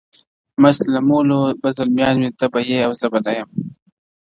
مست له مُلو به زلمیان وي ته به یې او زه به نه یم -